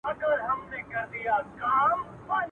په لوی لاس به مي ځان وسپارم عذاب ته.